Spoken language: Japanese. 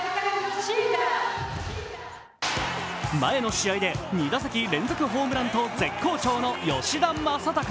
前の試合で２打席連続ホームランと絶好調の吉田正尚。